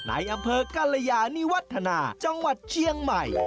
ในอำเภอกรยานิวัฒนาจังหวัดเชียงใหม่